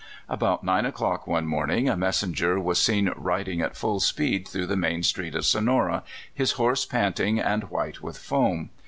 About nine o'clock one morning a messenger was seen riding at full speed through the main street of Sonora, his horse panting and white with foam.